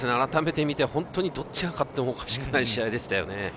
本当にどっちが勝ってもおかしくない試合でしたよね。